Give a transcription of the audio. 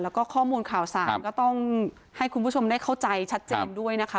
แล้วก็ข้อมูลข่าวสารก็ต้องให้คุณผู้ชมได้เข้าใจชัดเจนด้วยนะคะ